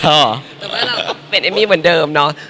แต่ว่าเปลี่ยนเอมมี่เหมือนเดิมเนาะ